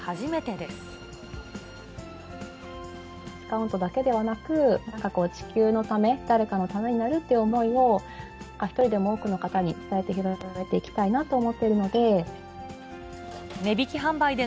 ディスカウントだけではなく、地球のため、誰かのためになるって思いを、一人でも多くの方に伝えて広げていきたいなと思っているので。